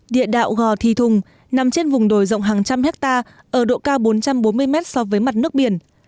địa đạo gò thì thùng nằm trên vùng đồi rộng hàng trăm hectare ở độ cao bốn trăm bốn mươi mét so với mặt nước biển